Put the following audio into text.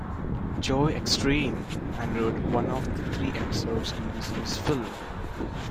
Joe Extreme", and wrote one of the three episodes in Disney's "" film.